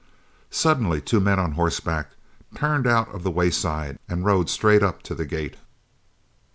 Suddenly two men on horseback turned out of the wayside and rode straight up to the gate.